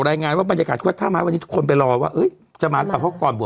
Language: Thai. รายงานว่าบรรยากาศวัฒนาไม้วันนี้ทุกคนไปรอว่าเอ้ยจะมาเขาก่อนบวก